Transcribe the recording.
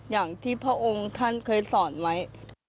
อย่างที่พระองค์ท่านเคยสอนไว้